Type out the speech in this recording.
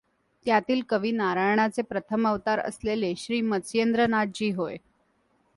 त्यातील कवी नारायणाचे प्रथम अवतार असलेले श्री मत्स्येंद्रनाथ जी होय.